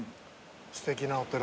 すてきなお寺で。